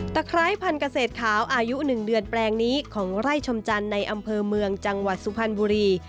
ไคร้พันธเศษขาวอายุ๑เดือนแปลงนี้ของไร่ชมจันทร์ในอำเภอเมืองจังหวัดสุพรรณบุรี